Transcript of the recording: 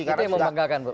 itu yang membanggakan